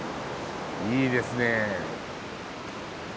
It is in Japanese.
いいですね。